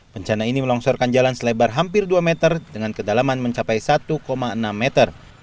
bencana ini melongsorkan jalan selebar hampir dua meter dengan kedalaman mencapai satu enam meter